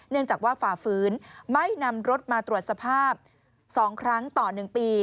เนื่องจากว่าฝ่าฝืนไม่นำรถมาตรวจสภาพ๒ครั้งต่อ๑ปี